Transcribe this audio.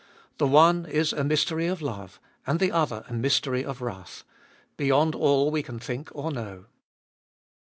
The one Is a mystery of love and the other a mystery of wrath, beyond all we can thinh or know.